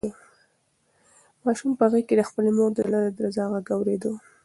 ماشوم په غېږ کې د خپلې مور د زړه د درزا غږ اورېده.